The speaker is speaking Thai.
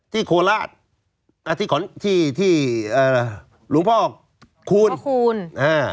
ที่โคลาสอ่ะที่ขอนที่ที่เอ่อหลวงพ่อคูณพ่อคูณอ่า